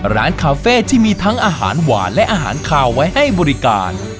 ร้านคาเฟ่ที่มีทั้งอาหารหวานและอาหารคาวไว้ให้บริการ